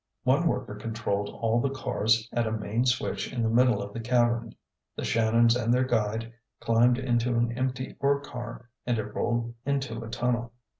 One worker controlled all the cars at a main switch in the middle of the cavern. The Shannons and their guide climbed into an empty ore car and it rolled into a tunnel.